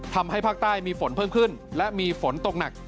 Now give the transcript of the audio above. ทำให้ภาคใต้มีฝนเพิ่มขึ้นและมีฝนตกหนัก